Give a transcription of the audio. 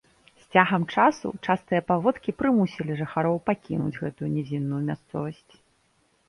З цягам часу частыя паводкі прымусілі жыхароў пакінуць гэтую нізінную мясцовасць.